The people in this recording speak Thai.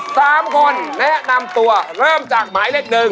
สามคนแนะนำตัวเริ่มจากหมายเลขหนึ่ง